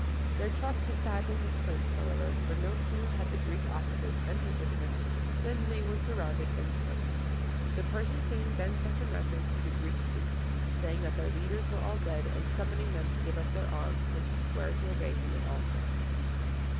Their trust was sadly misplaced, however; for no sooner had the Greek officers entered the tent than they were surrounded and slain. The Persian king then sent a message to the Greek troops, saying that their leaders were all dead, and summoning them to give up their arms and to swear to obey him in all things.